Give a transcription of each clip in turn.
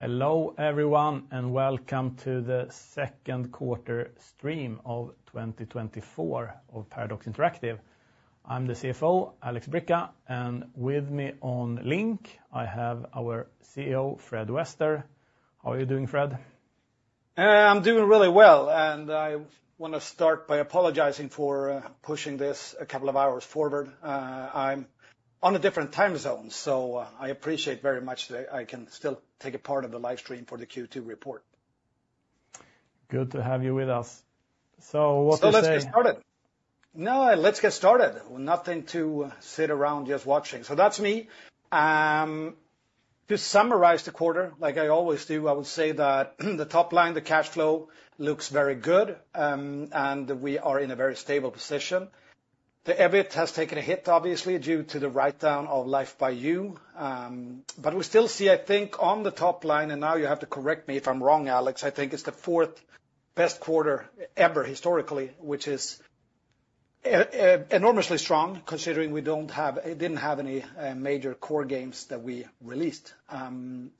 Hello everyone and welcome to the second quarter stream of 2024 of Paradox Interactive. I'm the CFO, Alexander Bricca, and with me on link, I have our CEO, Fred Wester. How are you doing, Fredrik? I'm doing really well, and I want to start by apologizing for pushing this a couple of hours forward. I'm on a different time zone, so I appreciate very much that I can still take a part of the live stream for the Q2 report. Good to have you with us. So what's up? So let's get started. No, let's get started. Nothing to sit around just watching. So that's me. To summarize the quarter, like I always do, I would say that the top line, the cash flow looks very good, and we are in a very stable position. The EBIT has taken a hit, obviously, due to the write-down of Life by You. But we still see, I think, on the top line, and now you have to correct me if I'm wrong, Alex, I think it's the fourth best quarter ever historically, which is enormously strong considering we didn't have any major core games that we released.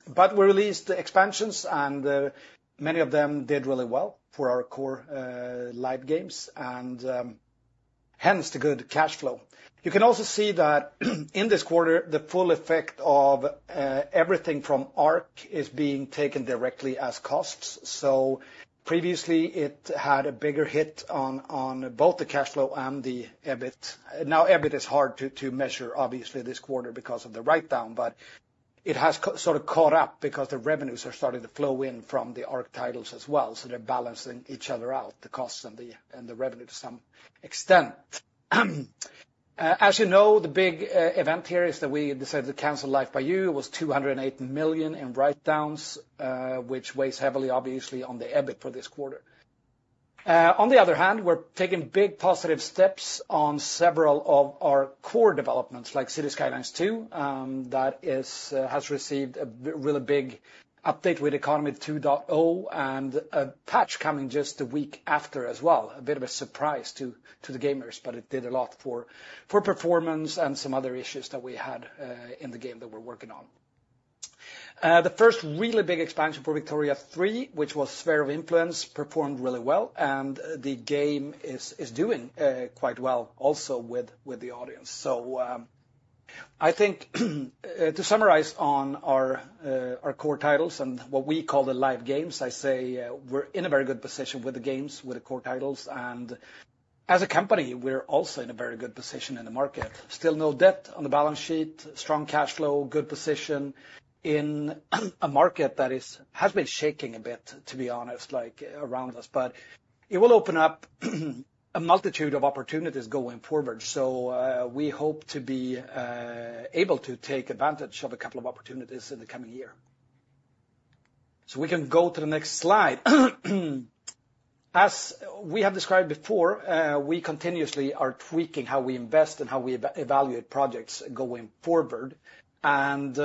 But we released expansions, and many of them did really well for our core live games, and hence the good cash flow. You can also see that in this quarter, the full effect of everything from ARC is being taken directly as costs. So previously, it had a bigger hit on both the cash flow and the EBIT. Now, EBIT is hard to measure, obviously, this quarter because of the write-down, but it has sort of caught up because the revenues are starting to flow in from the ARC titles as well. So they're balancing each other out, the costs and the revenue to some extent. As you know, the big event here is that we decided to cancel Life by You. It was 208 million in write-downs, which weighs heavily, obviously, on the EBIT for this quarter. On the other hand, we're taking big positive steps on several of our core developments, like Cities: Skylines 2, that has received a really big update with Economy 2.0 and a patch coming just the week after as well. A bit of a surprise to the gamers, but it did a lot for performance and some other issues that we had in the game that we're working on. The first really big expansion for Victoria 3, which was Sphere of Influence, performed really well, and the game is doing quite well also with the audience. So I think to summarize on our core titles and what we call the live games, I say we're in a very good position with the games, with the core titles, and as a company, we're also in a very good position in the market. Still no debt on the balance sheet, strong cash flow, good position in a market that has been shaking a bit, to be honest, like around us, but it will open up a multitude of opportunities going forward. So we hope to be able to take advantage of a couple of opportunities in the coming year. So we can go to the next slide. As we have described before, we continuously are tweaking how we invest and how we evaluate projects going forward. And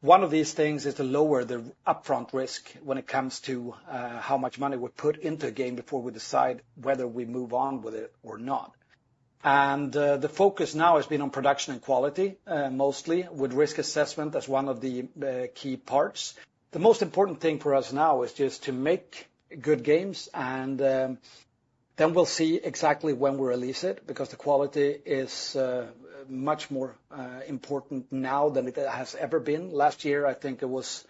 one of these things is to lower the upfront risk when it comes to how much money we put into a game before we decide whether we move on with it or not. And the focus now has been on production and quality mostly, with risk assessment as one of the key parts. The most important thing for us now is just to make good games, and then we'll see exactly when we release it because the quality is much more important now than it has ever been. Last year, I think it was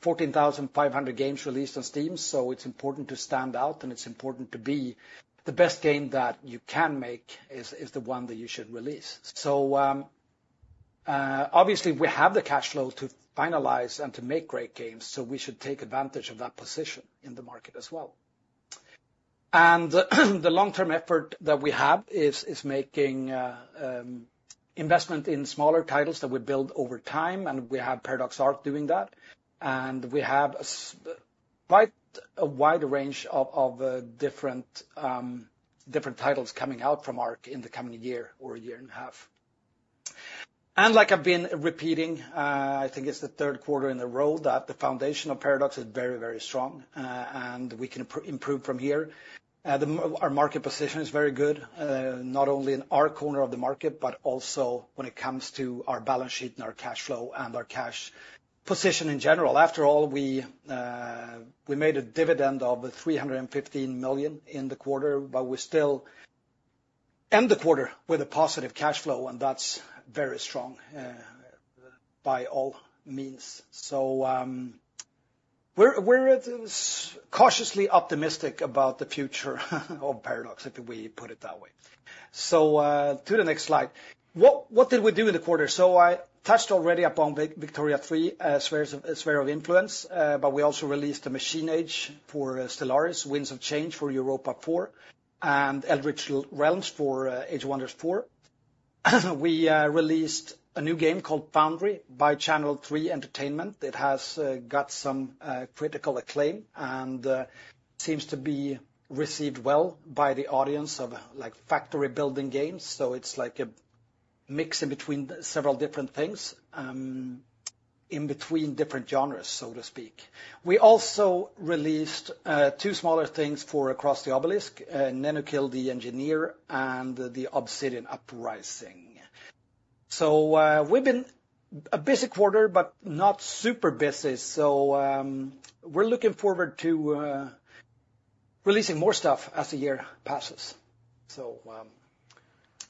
14,500 games released on Steam, so it's important to stand out, and it's important to be the best game that you can make is the one that you should release. So obviously, we have the cash flow to finalize and to make great games, so we should take advantage of that position in the market as well. And the long-term effort that we have is making investment in smaller titles that we build over time, and we have Paradox Arc doing that. And we have quite a wide range of different titles coming out from Arc in the coming year or a year and a half. And like I've been repeating, I think it's the third quarter in a row that the foundation of Paradox is very, very strong, and we can improve from here. Our market position is very good, not only in our corner of the market, but also when it comes to our balance sheet and our cash flow and our cash position in general. After all, we made a dividend of 315 million in the quarter, but we still end the quarter with a positive cash flow, and that's very strong by all means. So we're cautiously optimistic about the future of Paradox, if we put it that way. So to the next slide. What did we do in the quarter? So I touched already upon Victoria 3, Sphere of Influence, but we also released the Machine Age for Stellaris, Winds of Change for Europa 4, and Eldritch Realms for Age of Wonders 4. We released a new game called Foundry by Channel 3 Entertainment. It has got some critical acclaim and seems to be received well by the audience of factory-building games. So it's like a mix in between several different things, in between different genres, so to speak. We also released two smaller things for Across the Obelisk, Nenukil, the Engineer, and The Obsidian Uprising. So we've been a busy quarter, but not super busy. So we're looking forward to releasing more stuff as the year passes. So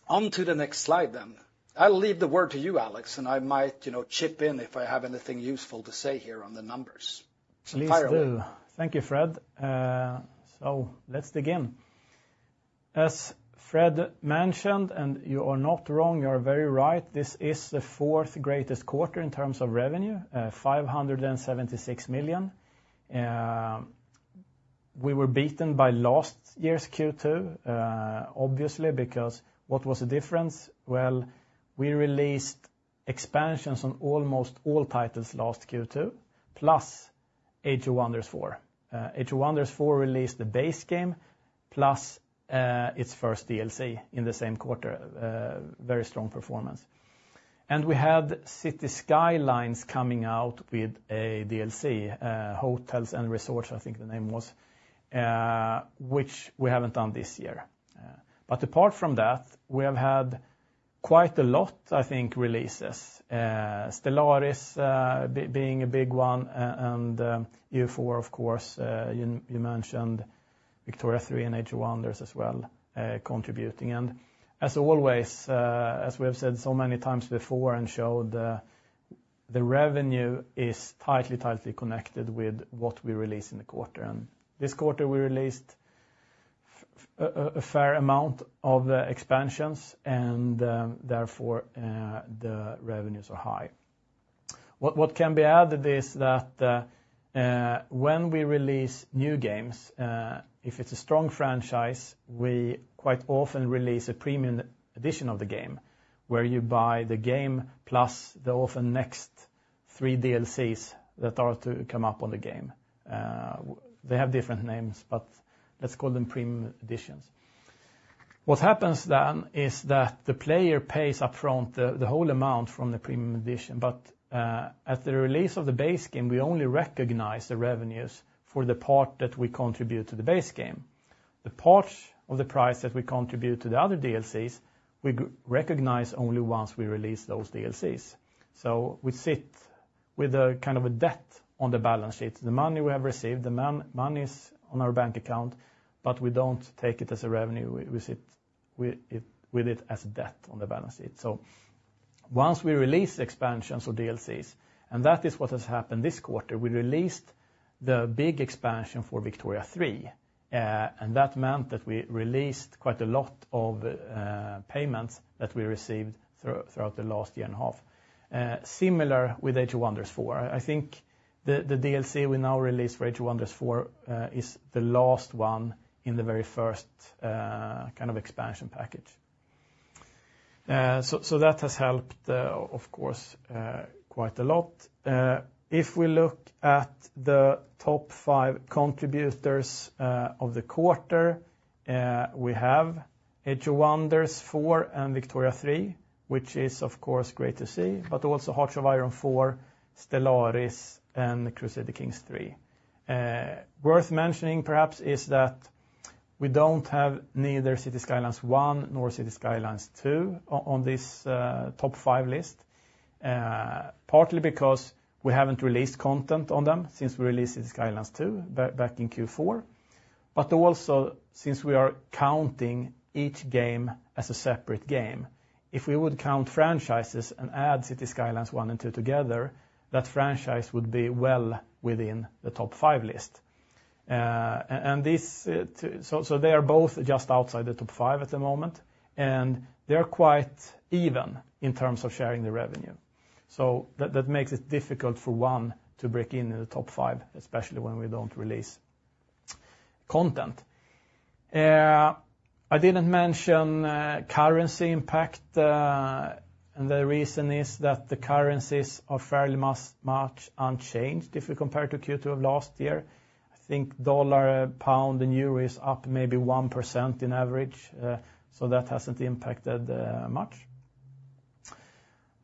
on to the next slide then. I'll leave the word to you, Alexander, and I might chip in if I have anything useful to say here on the numbers. Please do. Thank you, Fredrik. So let's dig in. As Fredrik mentioned, and you are not wrong, you are very right, this is the fourth greatest quarter in terms of revenue, 576 million. We were beaten by last year's Q2, obviously, because what was the difference? Well, we released expansions on almost all titles last Q2, plus Age of Wonders 4. Age of Wonders 4 released the base game plus its first DLC in the same quarter, very strong performance. And we had Cities: Skylines coming out with a DLC, Hotels and Resorts, I think the name was, which we haven't done this year. But apart from that, we have had quite a lot, I think, releases, Stellaris being a big one, and EU4, of course, you mentioned, Victoria 3 and Age of Wonders as well contributing. As always, as we have said so many times before and showed, the revenue is tightly, tightly connected with what we release in the quarter. This quarter, we released a fair amount of expansions, and therefore, the revenues are high. What can be added is that when we release new games, if it's a strong franchise, we quite often release a premium edition of the game where you buy the game plus the often next three DLCs that are to come up on the game. They have different names, but let's call them premium editions. What happens then is that the player pays upfront the whole amount from the premium edition, but at the release of the base game, we only recognize the revenues for the part that we contribute to the base game. The part of the price that we contribute to the other DLCs, we recognize only once we release those DLCs. So we sit with a kind of a debt on the balance sheet, the money we have received, the money is on our bank account, but we don't take it as a revenue. We sit with it as a debt on the balance sheet. So once we release expansions or DLCs, and that is what has happened this quarter, we released the big expansion for Victoria 3, and that meant that we released quite a lot of payments that we received throughout the last year and a half. Similar with Age of Wonders 4. I think the DLC we now release for Age of Wonders 4 is the last one in the very first kind of expansion package. So that has helped, of course, quite a lot. If we look at the top 5 contributors of the quarter, we have Age of Wonders 4 and Victoria 3, which is, of course, great to see, but also Hearts of Iron 4, Stellaris, and Crusader Kings 3. Worth mentioning, perhaps, is that we don't have neither Cities: Skylines 1 nor Cities: Skylines 2 on this top 5 list, partly because we haven't released content on them since we released Cities: Skylines 2 back in Q4, but also since we are counting each game as a separate game. If we would count franchises and add Cities: Skylines 1 and 2 together, that franchise would be well within the top 5 list. And so they are both just outside the top 5 at the moment, and they are quite even in terms of sharing the revenue. So that makes it difficult for one to break into the top five, especially when we don't release content. I didn't mention currency impact, and the reason is that the currencies are fairly much unchanged if we compare to Q2 of last year. I think dollar, pound, and euro is up maybe 1% in average, so that hasn't impacted much.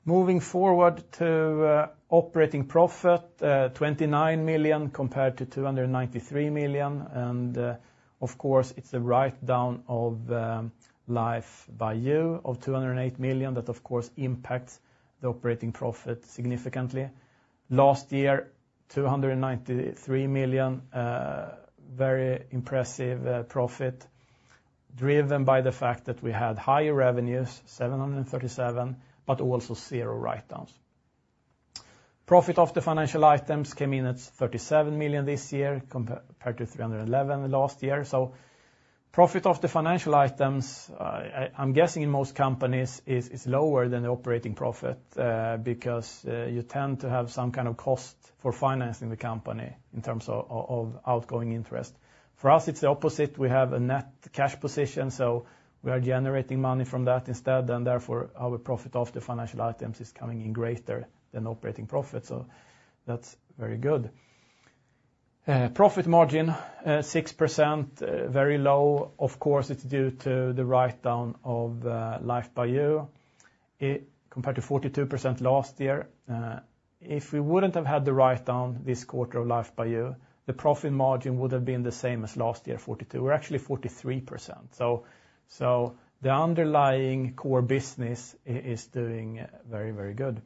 Moving forward to operating profit, 29 million compared to 293 million, and of course, it's a write-down of Life by You of 208 million that, of course, impacts the operating profit significantly. Last year, 293 million, very impressive profit driven by the fact that we had higher revenues, 737 million, but also zero write-downs. Profit of the financial items came in at 37 million this year compared to 311 million last year. So profit of the financial items, I'm guessing in most companies, is lower than the operating profit because you tend to have some kind of cost for financing the company in terms of outgoing interest. For us, it's the opposite. We have a net cash position, so we are generating money from that instead, and therefore, our profit of the financial items is coming in greater than operating profit. So that's very good. Profit margin, 6%, very low. Of course, it's due to the write-down of Life by You compared to 42% last year. If we wouldn't have had the write-down this quarter of Life by You, the profit margin would have been the same as last year, 42%. We're actually 43%. So the underlying core business is doing very, very good.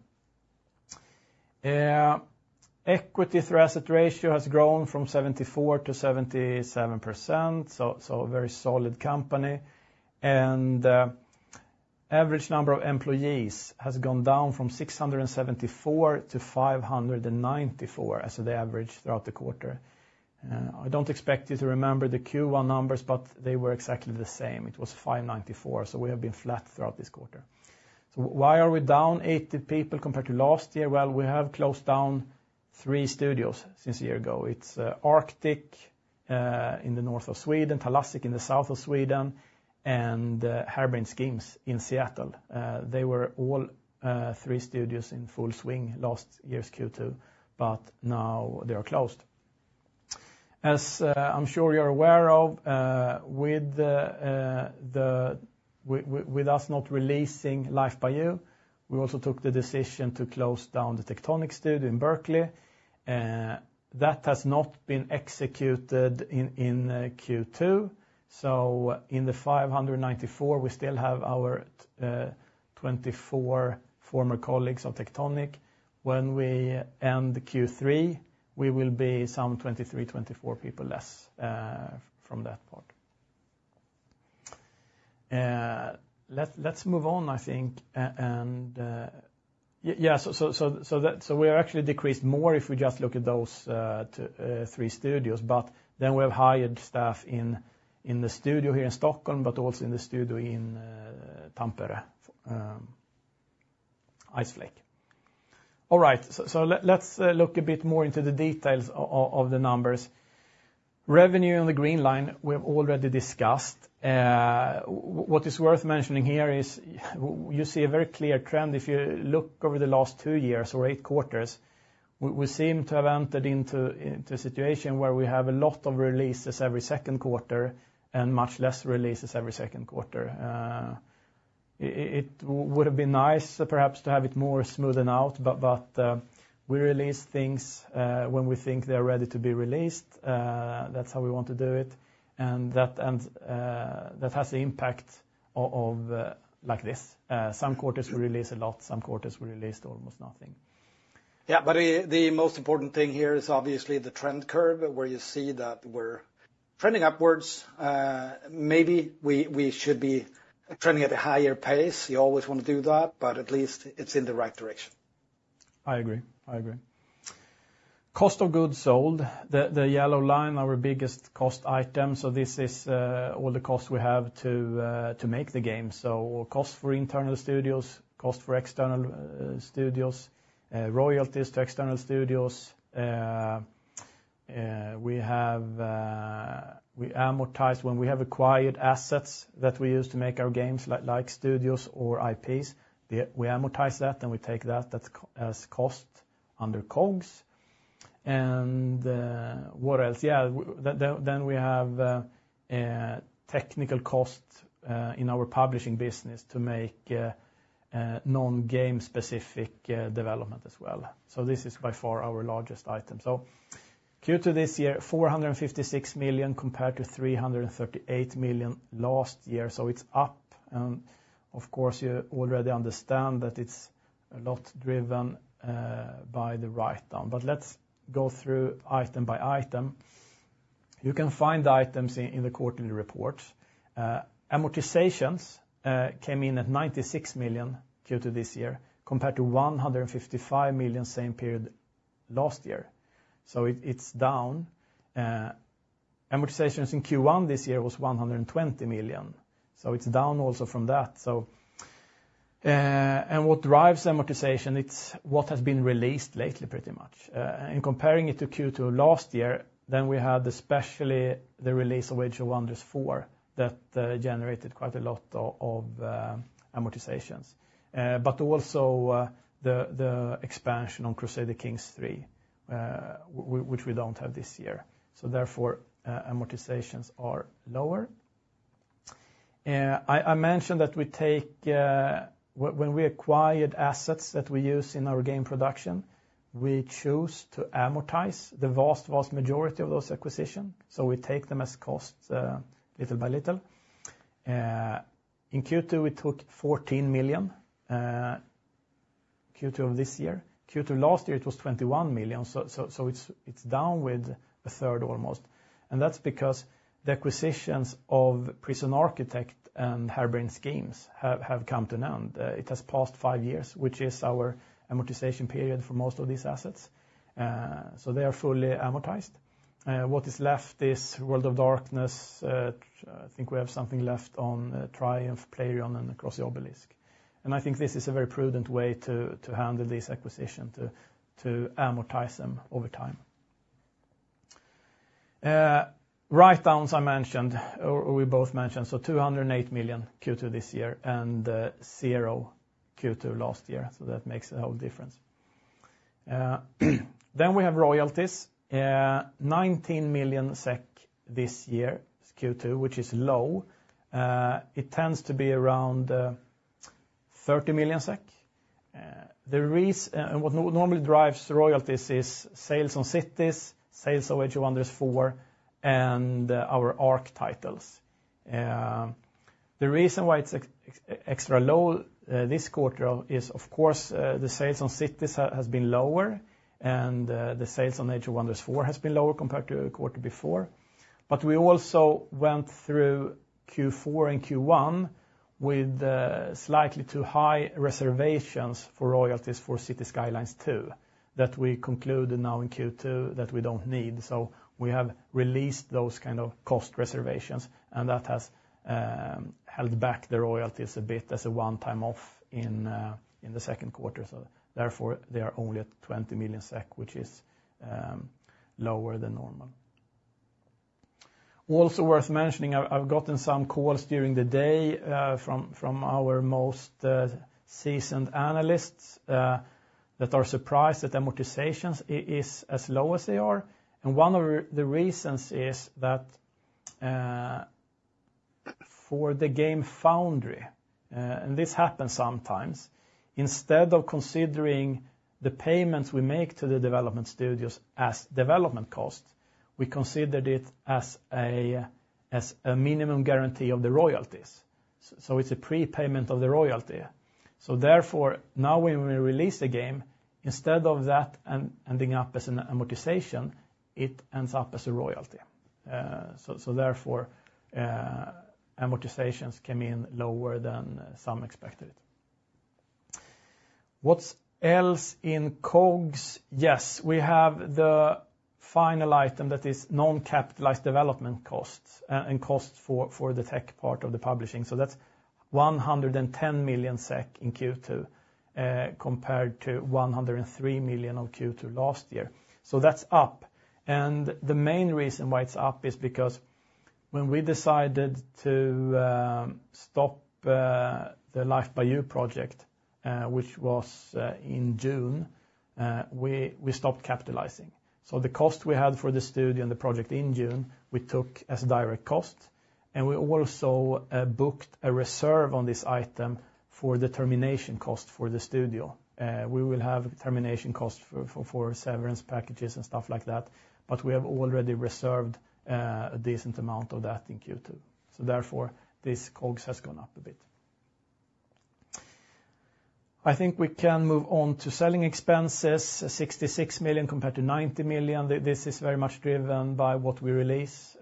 Equity-to-asset ratio has grown from 74%-77%, so a very solid company. The average number of employees has gone down from 674 to 594 as the average throughout the quarter. I don't expect you to remember the Q1 numbers, but they were exactly the same. It was 594, so we have been flat throughout this quarter. So why are we down 80 people compared to last year? Well, we have closed down three studios since a year ago. It's Paradox Arctic in the north of Sweden, Paradox Thalassic in the south of Sweden, and Harebrained Schemes in Seattle. They were all three studios in full swing last year's Q2, but now they are closed. As I'm sure you're aware of, with us not releasing Life by You, we also took the decision to close down the Paradox Tectonic studio in Berkeley. That has not been executed in Q2. So in the 594, we still have our 24 former colleagues of Paradox Tectonic. When we end Q3, we will be some 23, 24 people less from that part. Let's move on, I think. And yeah, so we are actually decreased more if we just look at those three studios, but then we have hired staff in the studio here in Stockholm, but also in the studio in Tampere, Iceflake. All right, so let's look a bit more into the details of the numbers. Revenue on the green line, we have already discussed. What is worth mentioning here is you see a very clear trend if you look over the last two years or eight quarters. We seem to have entered into a situation where we have a lot of releases every second quarter and much less releases every second quarter. It would have been nice perhaps to have it more smoothened out, but we release things when we think they're ready to be released. That's how we want to do it. And that has the impact of like this. Some quarters we release a lot, some quarters we release almost nothing. Yeah, but the most important thing here is obviously the trend curve where you see that we're trending upwards. Maybe we should be trending at a higher pace. You always want to do that, but at least it's in the right direction. I agree. I agree. Cost of goods sold, the yellow line, our biggest cost item. So this is all the costs we have to make the game. So costs for internal studios, costs for external studios, royalties to external studios. We amortize when we have acquired assets that we use to make our games like studios or IPs. We amortize that and we take that as cost under COGS. And what else? Yeah, then we have technical costs in our publishing business to make non-game specific development as well. So this is by far our largest item. So Q2 this year, 456 million compared to 338 million last year. So it's up. And of course, you already understand that it's a lot driven by the write-down. But let's go through item by item. You can find items in the quarterly reports. Amortizations came in at 96 million in Q2 this year compared to 155 million same period last year. So it's down. Amortizations in Q1 this year was 120 million. So it's down also from that. And what drives amortization, it's what has been released lately pretty much. And comparing it to Q2 last year, then we had especially the release of Age of Wonders 4 that generated quite a lot of amortizations. But also the expansion on Crusader Kings III, which we don't have this year. So therefore, amortizations are lower. I mentioned that when we acquired assets that we use in our game production, we choose to amortize the vast, vast majority of those acquisitions. So we take them as costs little by little. In Q2, we took 14 million in Q2 of this year. Q2 last year, it was 21 million. So it's down with a third almost. That's because the acquisitions of Prison Architect and Harebrained Schemes have come to an end. It has passed five years, which is our amortization period for most of these assets. So they are fully amortized. What is left is World of Darkness. I think we have something left on Triumph, Playrion, and Across the Obelisk. And I think this is a very prudent way to handle these acquisitions, to amortize them over time. Write-downs, I mentioned, or we both mentioned. So 208 million Q2 this year and 0 Q2 last year. So that makes a whole difference. Then we have royalties, 19 million SEK this year Q2, which is low. It tends to be around 30 million SEK. And what normally drives royalties is sales on Cities, sales on Age of Wonders 4, and our ARC titles. The reason why it's extra low this quarter is, of course, the sales on Cities has been lower and the sales on Age of Wonders 4 has been lower compared to the quarter before. But we also went through Q4 and Q1 with slightly too high reservations for royalties for Cities: Skylines 2 that we concluded now in Q2 that we don't need. So we have released those kind of cost reservations and that has held back the royalties a bit as a one-time off in the second quarter. So therefore, they are only at 20 million SEK, which is lower than normal. Also worth mentioning, I've gotten some calls during the day from our most seasoned analysts that are surprised that amortizations is as low as they are. And one of the reasons is that for the game Foundry, and this happens sometimes, instead of considering the payments we make to the development studios as development costs, we considered it as a minimum guarantee of the royalties. So it's a prepayment of the royalty. So therefore, now when we release a game, instead of that ending up as an amortization, it ends up as a royalty. So therefore, amortizations came in lower than some expected it. What else in COGS? Yes, we have the final item that is non-capitalized development costs and costs for the tech part of the publishing. So that's 110 million SEK in Q2 compared to 103 million of Q2 last year. So that's up. And the main reason why it's up is because when we decided to stop the Life by You project, which was in June, we stopped capitalizing. So the cost we had for the studio and the project in June, we took as direct cost. We also booked a reserve on this item for the termination cost for the studio. We will have termination costs for severance packages and stuff like that, but we have already reserved a decent amount of that in Q2. So therefore, this COGS has gone up a bit. I think we can move on to selling expenses, 66 million compared to 90 million. This is very much driven by what we release.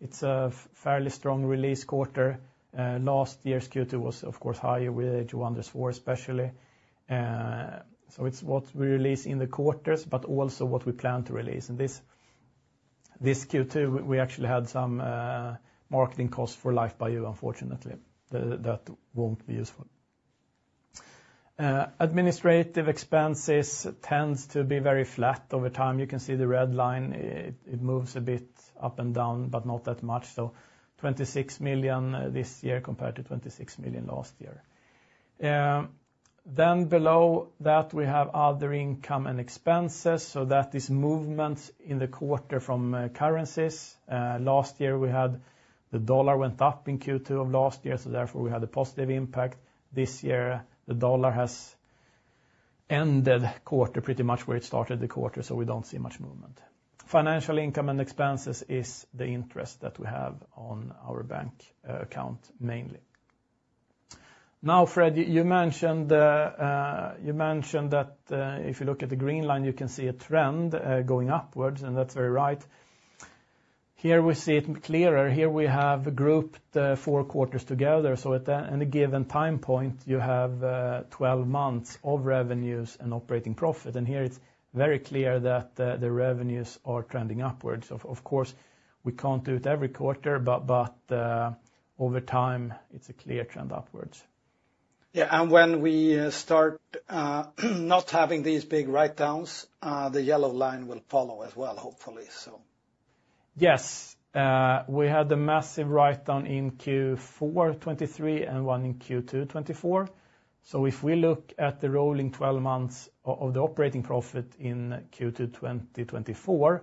It's a fairly strong release quarter. Last year's Q2 was, of course, higher with Age of Wonders 4 especially. So it's what we release in the quarters, but also what we plan to release. And this Q2, we actually had some marketing costs for Life by You, unfortunately. That won't be useful. Administrative expenses tend to be very flat over time. You can see the red line. It moves a bit up and down, but not that much. So 26 million this year compared to 26 million last year. Then below that, we have other income and expenses. So that is movements in the quarter from currencies. Last year, the US dollar went up in Q2 of last year, so therefore, we had a positive impact. This year, the US dollar has ended quarter pretty much where it started the quarter, so we don't see much movement. Financial income and expenses is the interest that we have on our bank account mainly. Now, Fred, you mentioned that if you look at the green line, you can see a trend going upwards, and that's very right. Here we see it clearer. Here we have grouped four quarters together. At any given time point, you have 12 months of revenues and operating profit. Here it's very clear that the revenues are trending upwards. Of course, we can't do it every quarter, but over time, it's a clear trend upwards. Yeah, and when we start not having these big write-downs, the yellow line will follow as well, hopefully, so. Yes, we had a massive write-down in Q4 2023 and one in Q2 2024. So if we look at the rolling 12 months of the operating profit in Q2 2024,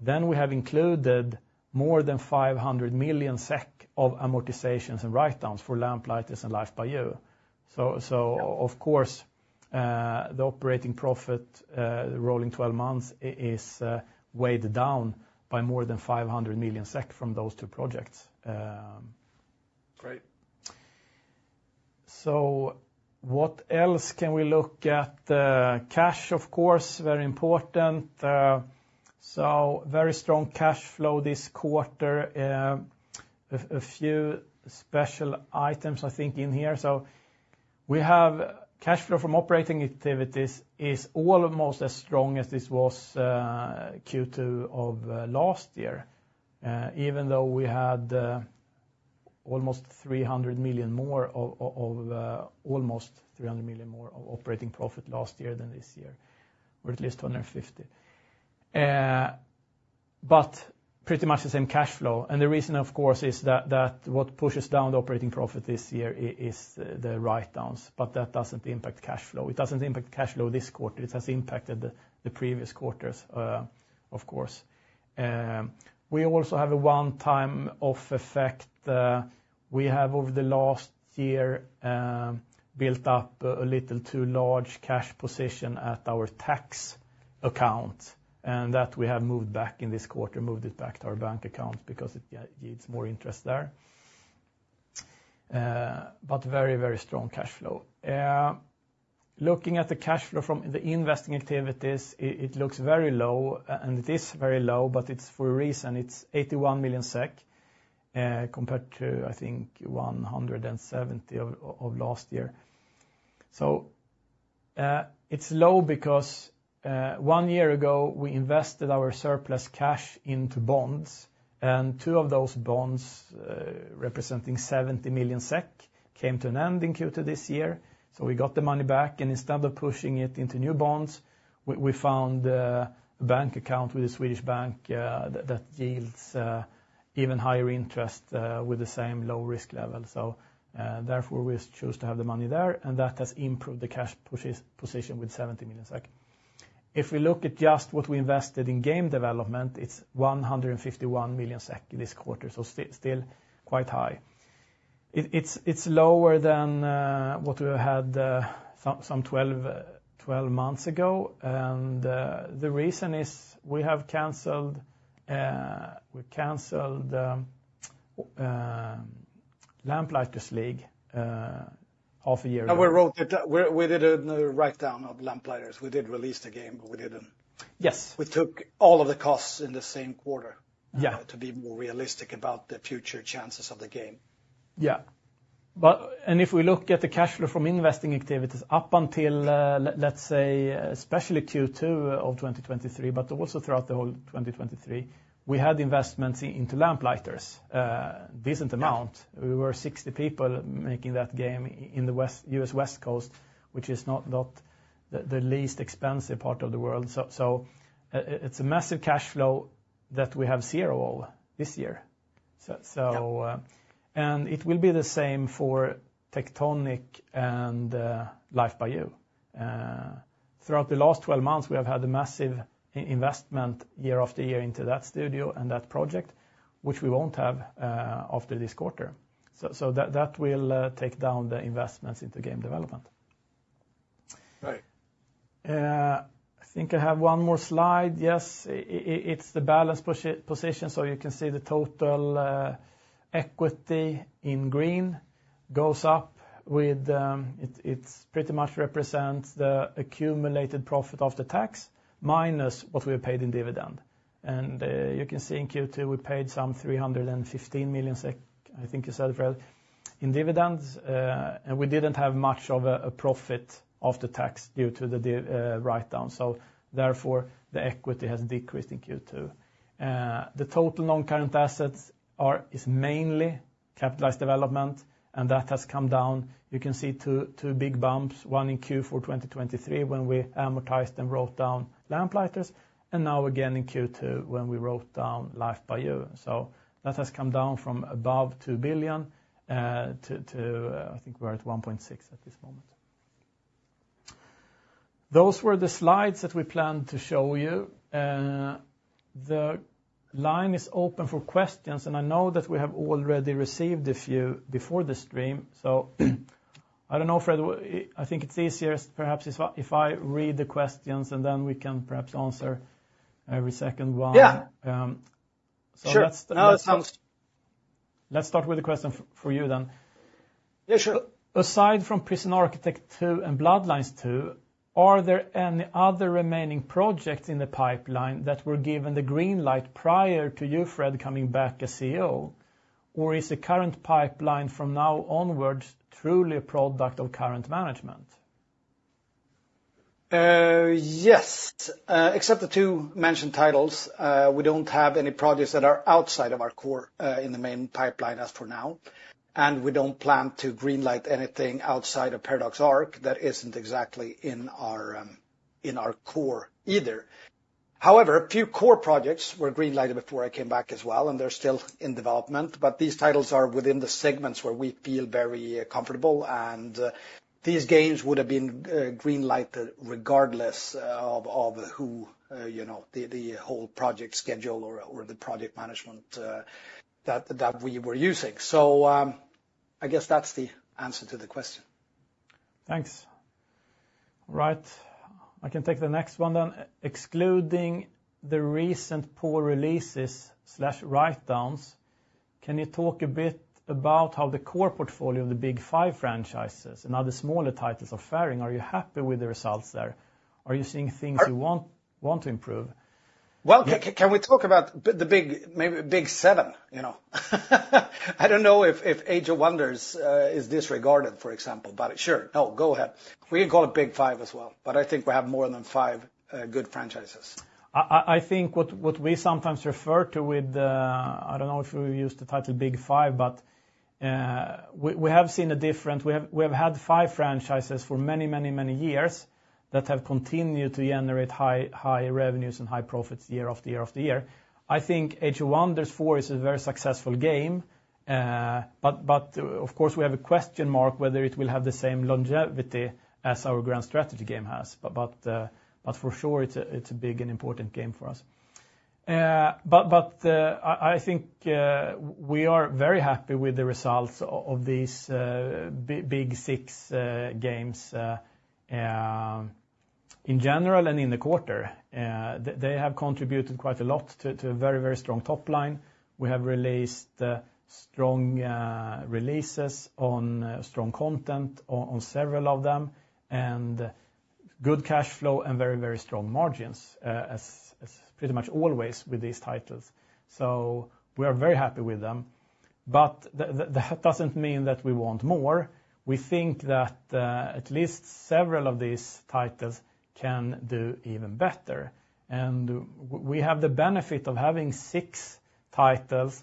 then we have included more than 500 million SEK of amortizations and write-downs for The Lamplighters League and Life by You. So of course, the operating profit, the rolling 12 months, is weighed down by more than 500 million SEK from those two projects. Great. So what else can we look at? Cash, of course, very important. So very strong cash flow this quarter. A few special items, I think, in here. So we have cash flow from operating activities is almost as strong as this was Q2 of last year, even though we had almost 300 million more of almost 300 million more of operating profit last year than this year, or at least 250 million. But pretty much the same cash flow. And the reason, of course, is that what pushes down the operating profit this year is the write-downs, but that doesn't impact cash flow. It doesn't impact cash flow this quarter. It has impacted the previous quarters, of course. We also have a one-time off effect. We have, over the last year, built up a little too large cash position at our tax account, and that we have moved back in this quarter, moved it back to our bank account because it needs more interest there. But very, very strong cash flow. Looking at the cash flow from the investing activities, it looks very low, and it is very low, but it's for a reason. It's 81 million SEK compared to, I think, 170 of last year. So it's low because one year ago, we invested our surplus cash into bonds, and two of those bonds representing 70 million SEK came to an end in Q2 this year. So we got the money back, and instead of pushing it into new bonds, we found a bank account with a Swedish bank that yields even higher interest with the same low risk level. Therefore, we choose to have the money there, and that has improved the cash position with 70 million SEK. If we look at just what we invested in game development, it's 151 million SEK this quarter, so still quite high. It's lower than what we had some 12 months ago. The reason is we have canceled The Lamplighters League half a year ago. We did a write-down of the Lamplighters League. We did release the game, but we didn't. Yes. We took all of the costs in the same quarter to be more realistic about the future chances of the game. Yeah. And if we look at the cash flow from investing activities up until, let's say, especially Q2 of 2023, but also throughout the whole 2023, we had investments into Lamplighters, a decent amount. We were 60 people making that game in the US West Coast, which is not the least expensive part of the world. So it's a massive cash flow that we have zero of this year. And it will be the same for Tectonic and Life by You. Throughout the last 12 months, we have had a massive investment year after year into that studio and that project, which we won't have after this quarter. So that will take down the investments into game development. Great. I think I have one more slide. Yes, it's the balance position. So you can see the total equity in green goes up with it pretty much represents the accumulated profit after tax minus what we have paid in dividend. And you can see in Q2, we paid some 315 million SEK, I think you said, Fred, in dividends. And we didn't have much of a profit after tax due to the write-down. So therefore, the equity has decreased in Q2. The total non-current assets is mainly capitalized development, and that has come down. You can see two big bumps, one in Q4 2023 when we amortized and wrote down The Lamplighters League, and now again in Q2 when we wrote down Life by You. So that has come down from above 2 billion to, I think, we're at 1.6 billion at this moment. Those were the slides that we planned to show you. The line is open for s, and I know that we have already received a few before the stream. So I don't know, Fred, I think it's easier perhaps if I read the questions, and then we can perhaps answer every second one. Yeah. So that's. Sure. Let's start with the question for you then. Yeah, sure. Aside from Prison Architect 2 and Bloodlines 2, are there any other remaining projects in the pipeline that were given the green light prior to you, Fred, coming back as CEO, or is the current pipeline from now onwards truly a product of current management? Yes, except the two mentioned titles. We don't have any projects that are outside of our core in the main pipeline as for now. And we don't plan to greenlight anything outside of Paradox Arc that isn't exactly in our core either. However, a few core projects were greenlighted before I came back as well, and they're still in development. But these titles are within the segments where we feel very comfortable, and these games would have been greenlighted regardless of the whole project schedule or the project management that we were using. So I guess that's the answer to the question. Thanks. All right. I can take the next one then. Excluding the recent poor releases/write-downs, can you talk a bit about how the core portfolio of the big five franchises and other smaller titles are faring? Are you happy with the results there? Are you seeing things you want to improve? Well, can we talk about the big seven? I don't know if Age of Wonders is disregarded, for example, but sure. No, go ahead. We can call it big five as well, but I think we have more than five good franchises. I think what we sometimes refer to with, I don't know if we use the title big five, but we have had five franchises for many, many, many years that have continued to generate high revenues and high profits year after year after year. I think Age of Wonders 4 is a very successful game, but of course, we have a question mark whether it will have the same longevity as our Grand Strategy game has. But for sure, it's a big and important game for us. But I think we are very happy with the results of these big six games in general and in the quarter. They have contributed quite a lot to a very, very strong top line. We have released strong releases on strong content on several of them and good cash flow and very, very strong margins as pretty much always with these titles. We are very happy with them. That doesn't mean that we want more. We think that at least several of these titles can do even better. We have the benefit of having 6 titles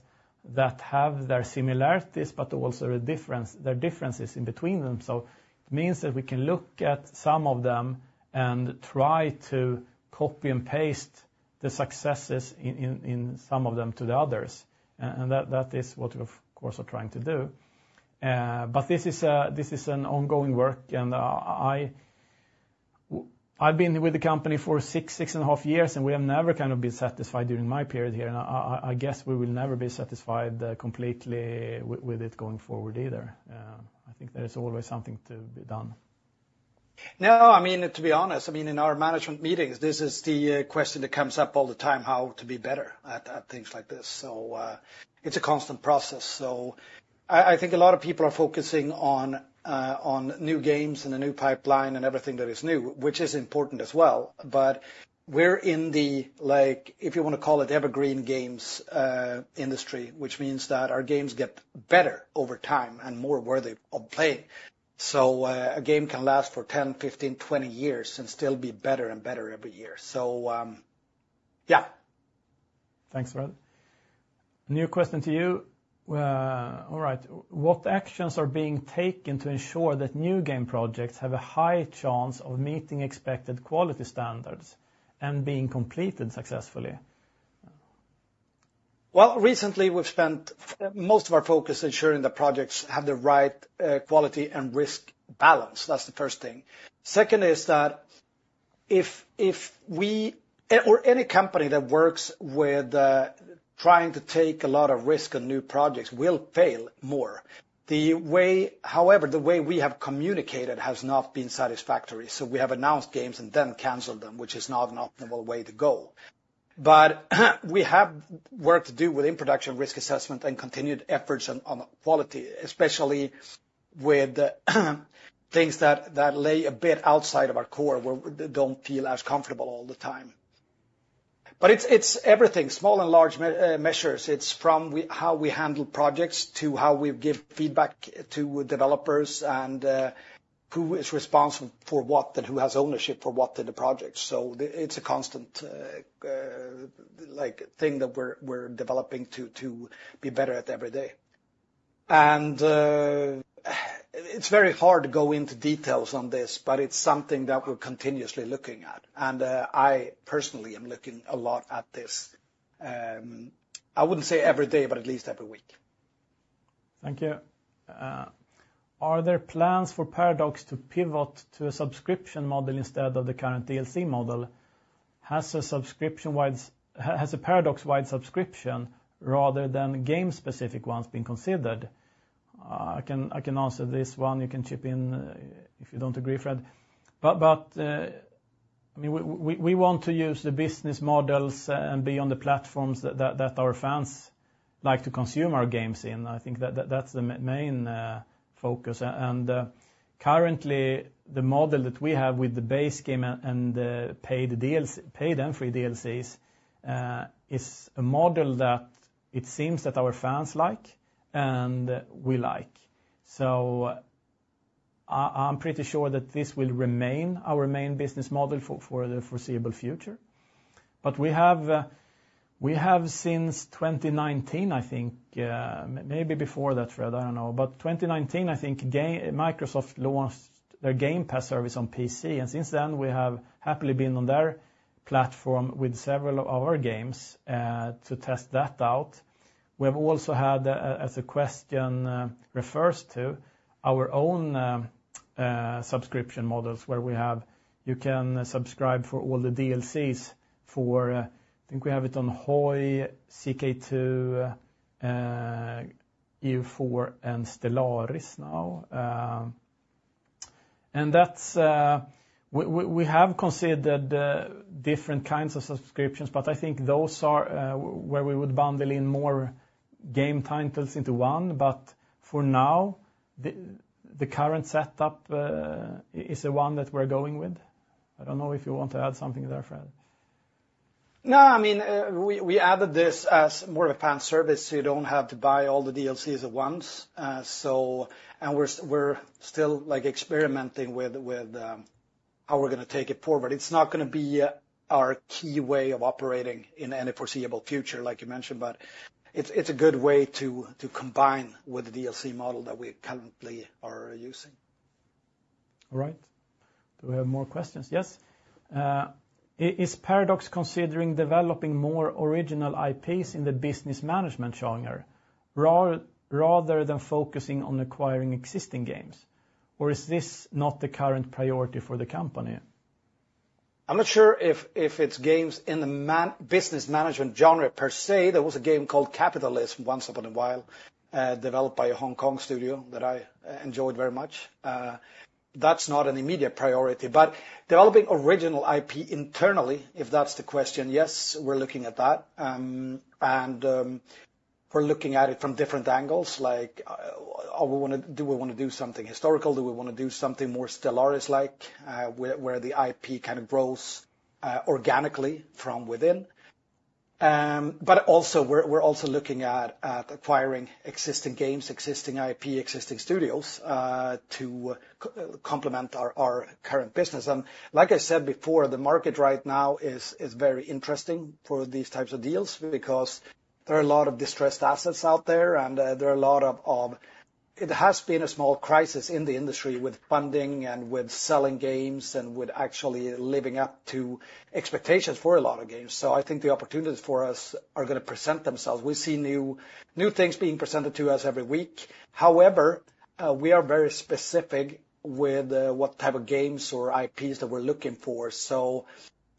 that have their similarities, but also their differences in between them. It means that we can look at some of them and try to copy and paste the successes in some of them to the others. That is what we, of course, are trying to do. This is an ongoing work. I've been with the company for 6, 6.5 years, and we have never kind of been satisfied during my period here. I guess we will never be satisfied completely with it going forward either. I think there is always something to be done. No, I mean, to be honest, I mean, in our management meetings, this is the question that comes up all the time, how to be better at things like this. So it's a constant process. So I think a lot of people are focusing on new games and a new pipeline and everything that is new, which is important as well. But we're in the, if you want to call it evergreen games industry, which means that our games get better over time and more worthy of playing. So a game can last for 10, 15, 20 years and still be better and better every year. So yeah. Thanks, Fred. New question to you. All right. What actions are being taken to ensure that new game projects have a high chance of meeting expected quality standards and being completed successfully? Well, recently, we've spent most of our focus ensuring that projects have the right quality and risk balance. That's the first thing. Second is that if we or any company that works with trying to take a lot of risk on new projects will fail more. However, the way we have communicated has not been satisfactory. So we have announced games and then canceled them, which is not an optimal way to go. But we have work to do with in-production risk assessment and continued efforts on quality, especially with things that lay a bit outside of our core where we don't feel as comfortable all the time. But it's everything, small and large measures. It's from how we handle projects to how we give feedback to developers and who is responsible for what and who has ownership for what in the project. It's a constant thing that we're developing to be better at every day. It's very hard to go into details on this, but it's something that we're continuously looking at. I personally am looking a lot at this. I wouldn't say every day, but at least every week. Thank you. Are there plans for Paradox to pivot to a subscription model instead of the current DLC model? Has a Paradox-wide subscription rather than game-specific ones been considered? I can answer this one. You can chip in if you don't agree, Fred. But we want to use the business models and be on the platforms that our fans like to consume our games in. I think that's the main focus. Currently, the model that we have with the base game and the paid entry DLCs is a model that it seems that our fans like and we like. So I'm pretty sure that this will remain our main business model for the foreseeable future. But we have since 2019, I think, maybe before that, Fred, I don't know. But 2019, I think Microsoft launched their Game Pass service on PC. Since then, we have happily been on their platform with several of our games to test that out. We have also had, as the question refers to, our own subscription models where you can subscribe for all the DLCs for, I think we have it on HOI, CK2, EU4, and Stellaris now. We have considered different kinds of subscriptions, but I think those are where we would bundle in more game titles into one. For now, the current setup is the one that we're going with. I don't know if you want to add something there, Fred. No, I mean, we added this as more of a planned service so you don't have to buy all the DLCs at once. And we're still experimenting with how we're going to take it forward. It's not going to be our key way of operating in any foreseeable future, like you mentioned, but it's a good way to combine with the DLC model that we currently are using. All right. Do we have more questions? Yes. Is Paradox considering developing more original IPs in the business management genre rather than focusing on acquiring existing games? Or is this not the current priority for the company? I'm not sure if it's games in the business management genre per se. There was a game called Capitalism once upon a while developed by a Hong Kong studio that I enjoyed very much. That's not an immediate priority. But developing original IP internally, if that's the question, yes, we're looking at that. And we're looking at it from different angles. Do we want to do something historical? Do we want to do something more Stellaris-like where the IP kind of grows organically from within? But we're also looking at acquiring existing games, existing IP, existing studios to complement our current business. Like I said before, the market right now is very interesting for these types of deals because there are a lot of distressed assets out there, and there are a lot of it has been a small crisis in the industry with funding and with selling games and with actually living up to expectations for a lot of games. So I think the opportunities for us are going to present themselves. We see new things being presented to us every week. However, we are very specific with what type of games or IPs that we're looking for. So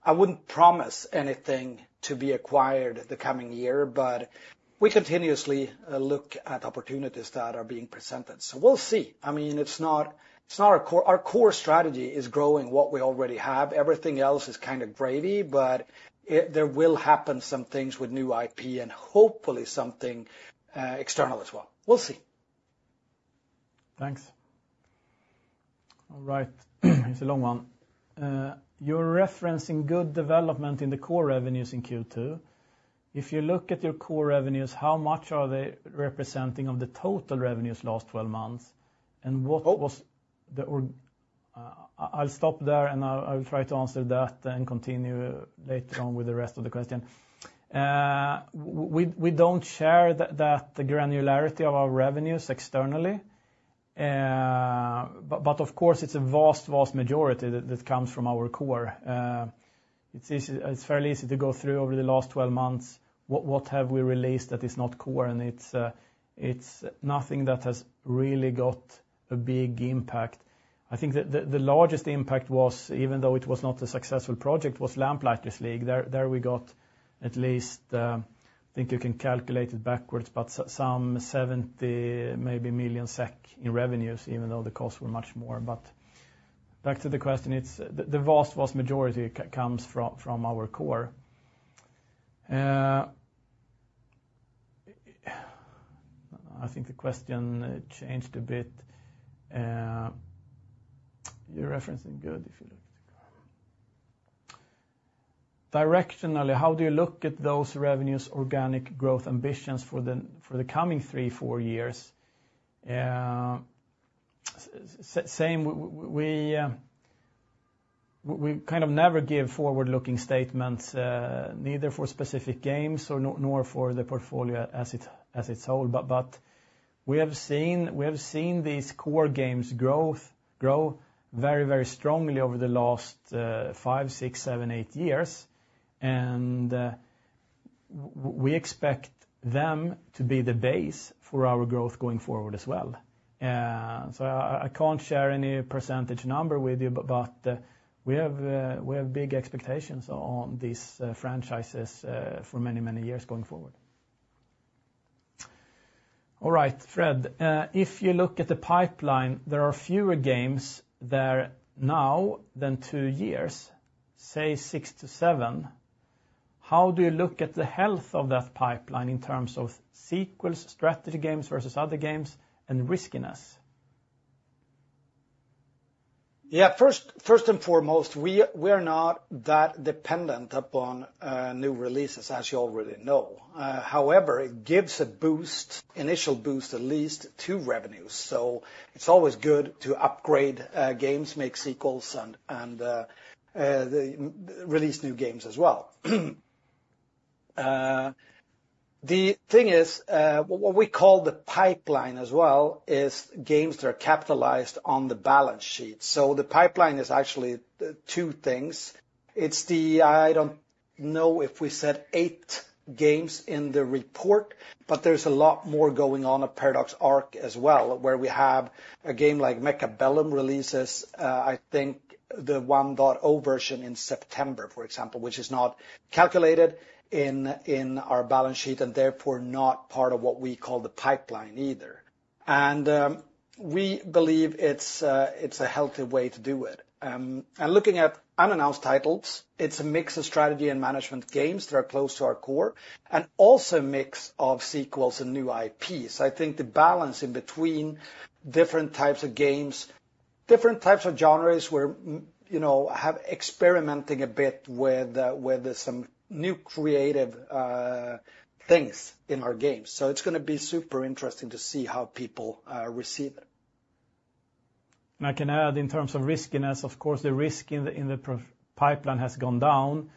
I wouldn't promise anything to be acquired the coming year, but we continuously look at opportunities that are being presented. So we'll see. I mean, it's not our core strategy is growing what we already have. Everything else is kind of gravy, but there will happen some things with new IP and hopefully something external as well. We'll see. Thanks. All right. Here's a long one. You're referencing good development in the core revenues in Q2. If you look at your core revenues, how much are they representing of the total revenues last 12 months? And what was the? I'll stop there, and I'll try to answer that and continue later on with the rest of the question. We don't share that granularity of our revenues externally. But of course, it's a vast, vast majority that comes from our core. It's fairly easy to go through over the last 12 months, what have we released that is not core, and it's nothing that has really got a big impact. I think the largest impact was, even though it was not a successful project, was Lamplighters League. There we got at least, I think you can calculate it backwards, but some 70 million SEK in revenues, even though the costs were much more. But back to the question, the vast, vast majority comes from our core. I think the question changed a bit. You're referencing good if you look at the core. Directionally, how do you look at those revenues, organic growth ambitions for the coming 3-4 years? Same, we kind of never give forward-looking statements, neither for specific games nor for the portfolio as a whole. But we have seen these core games grow very, very strongly over the last 5, 6, 7, 8 years. And we expect them to be the base for our growth going forward as well. So I can't share any percentage number with you, but we have big expectations on these franchises for many, many years going forward. All right, Fred, if you look at the pipeline, there are fewer games there now than two years, say six to seven. How do you look at the health of that pipeline in terms of sequels, strategy games versus other games, and riskiness? Yeah, first and foremost, we are not that dependent upon new releases, as you already know. However, it gives a boost, initial boost at least to revenues. So it's always good to upgrade games, make sequels, and release new games as well. The thing is, what we call the pipeline as well is games that are capitalized on the balance sheet. So the pipeline is actually two things. It's the, I don't know if we said 8 games in the report, but there's a lot more going on at Paradox Arc as well, where we have a game like Mechabellum releases, I think the 1.0 version in September, for example, which is not calculated in our balance sheet and therefore not part of what we call the pipeline either. And we believe it's a healthy way to do it. Looking at unannounced titles, it's a mix of strategy and management games that are close to our core and also a mix of sequels and new IPs. I think the balance in between different types of games, different types of genres where I have experimenting a bit with some new creative things in our games. It's going to be super interesting to see how people receive it. I can add in terms of riskiness, of course, the risk in the pipeline has gone down.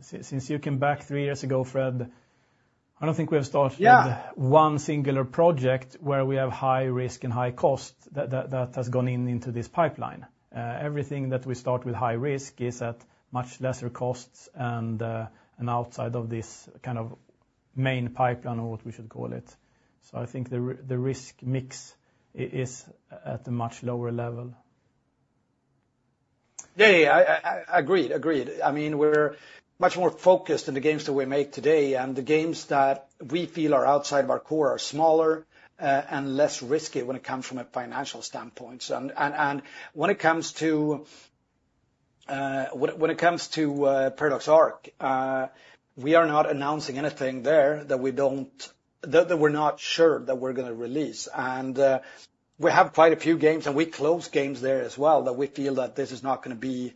Since you came back three years ago, Fred, I don't think we have started one singular project where we have high risk and high cost that has gone into this pipeline or what we should call it. I think the risk mix is at a much lower level. Yeah, yeah, agreed, agreed. I mean, we're much more focused on the games that we make today, and the games that we feel are outside of our core are smaller and less risky when it comes from a financial standpoint. And when it comes to Paradox Arc, we are not announcing anything there that we're not sure that we're going to release. And we have quite a few games, and we close games there as well that we feel that this is not going to be,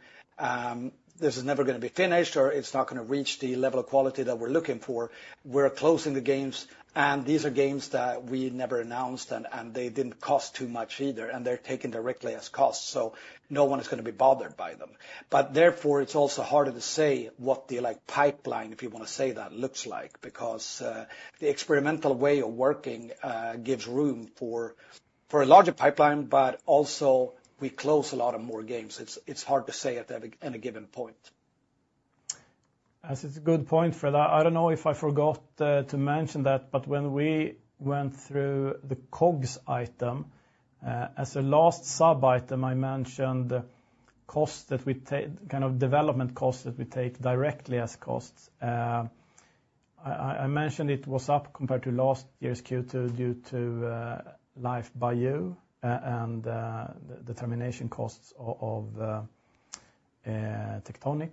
this is never going to be finished or it's not going to reach the level of quality that we're looking for. We're closing the games, and these are games that we never announced, and they didn't cost too much either, and they're taken directly as costs. So no one is going to be bothered by them. But therefore, it's also harder to say what the pipeline, if you want to say that, looks like because the experimental way of working gives room for a larger pipeline, but also we close a lot of more games. It's hard to say at any given point. That's a good point, Fred. I don't know if I forgot to mention that, but when we went through the COGS item, as a last sub-item, I mentioned costs that we take, kind of development costs that we take directly as costs. I mentioned it was up compared to last year's Q2 due to Life by You and the termination costs of Tectonic.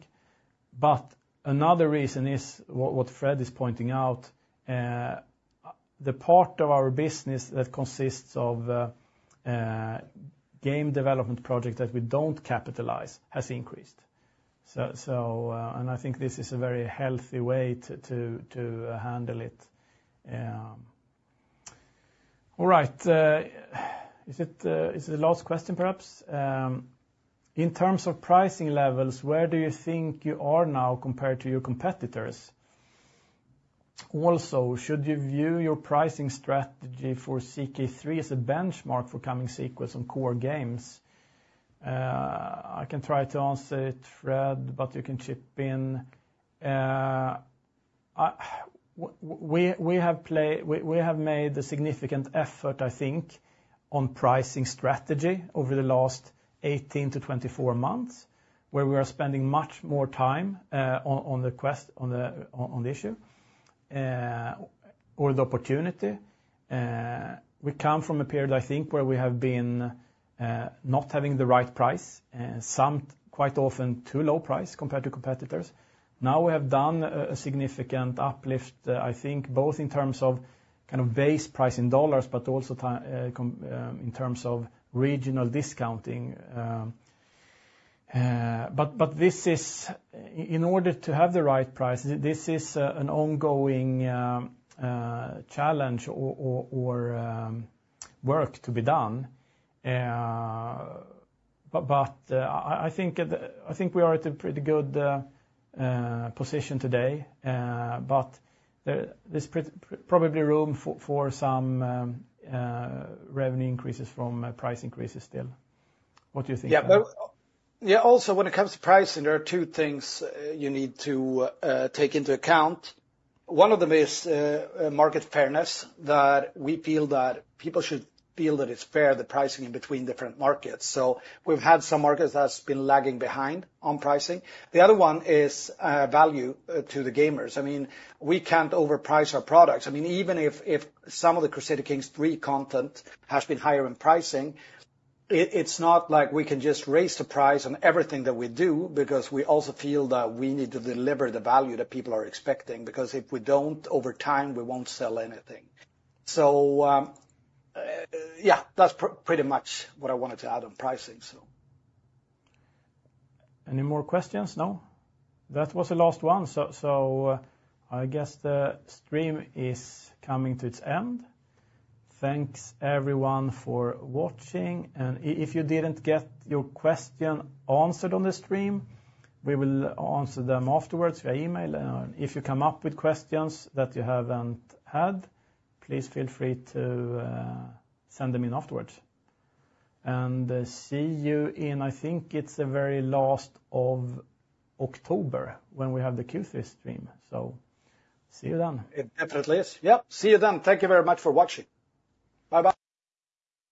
But another reason is what Fred is pointing out, the part of our business that consists of game development projects that we don't capitalize has increased. And I think this is a very healthy way to handle it. All right. Is it the last question, perhaps? In terms of pricing levels, where do you think you are now compared to your competitors? Also, should you view your pricing strategy for CK3 as a benchmark for coming sequels on core games? I can try to answer it, Fred, but you can chip in. We have made a significant effort, I think, on pricing strategy over the last 18-24 months, where we are spending much more time on the issue or the opportunity. We come from a period, I think, where we have been not having the right price, quite often too low price compared to competitors. Now we have done a significant uplift, I think, both in terms of kind of base price in dollars, but also in terms of regional discounting. But this is, in order to have the right price, this is an ongoing challenge or work to be done. But I think we are at a pretty good position today, but there's probably room for some revenue increases from price increases still. What do you think? Yeah, but yeah, also when it comes to pricing, there are two things you need to take into account. One of them is market fairness that we feel that people should feel that it's fair, the pricing in between different markets. So we've had some markets that have been lagging behind on pricing. The other one is value to the gamers. I mean, we can't overprice our products. I mean, even if some of the Crusader Kings III content has been higher in pricing, it's not like we can just raise the price on everything that we do because we also feel that we need to deliver the value that people are expecting because if we don't, over time, we won't sell anything. So yeah, that's pretty much what I wanted to add on pricing, so. Any more questions now? That was the last one. I guess the stream is coming to its end. Thanks, everyone, for watching. If you didn't get your question answered on the stream, we will answer them afterwards via email. If you come up with questions that you haven't had, please feel free to send them in afterwards. See you in, I think it's the very last of October when we have the Q3 stream. See you then. It definitely is. Yep, see you then. Thank you very much for watching. Bye-bye.